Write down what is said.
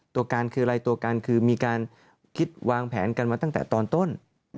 ตัวการคืออะไรตัวการคือมีการคิดวางแผนกันมาตั้งแต่ตอนต้น